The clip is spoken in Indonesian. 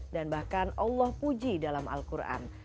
dan bahkan allah puji dalam al quran